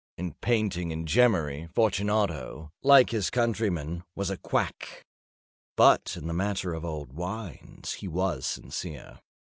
In painting and gemmary, Fortunato, like his countrymen, was a quack—but in the matter of old wines he was sincere.